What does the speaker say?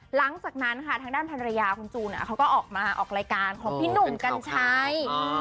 หลังจากนั้นค่ะทางด้านภรรยาคุณจูนเขาก็ออกมาออกรายการของพี่หนุ่มกัญชัย